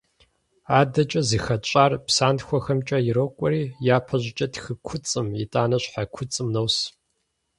АдэкӀэ зыхэтщӀар псантхуэхэмкӀэ ирокӀуэри япэ щӀыкӀэ тхы куцӀым, итӀанэ щхьэ куцӀым нос.